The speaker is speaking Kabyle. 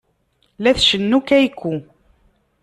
La tcennu Keiko.